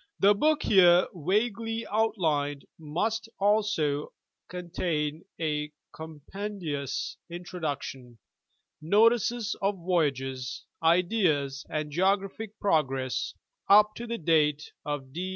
,.. The book here vaguely outlined must also contain a compendi ous introduction, notices of voyages, ideas, and geographic progress up to the date of D.